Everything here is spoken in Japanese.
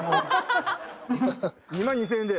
２万２０００円で。